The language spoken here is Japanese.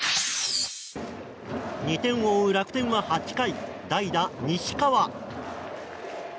２点を追う楽天は８回代打、西川。